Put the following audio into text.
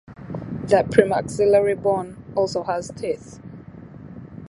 The premaxillary bone also has teeth.